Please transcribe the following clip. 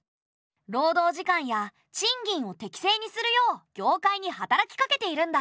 労働時間や賃金を適正にするよう業界に働きかけているんだ。